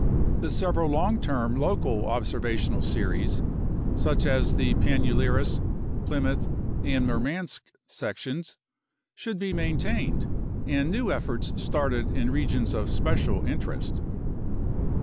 The several long term local observational series (such as the Panulirus, Plymouth, and Murmansk sections) should be main tained and new efforts started in regions of special interest.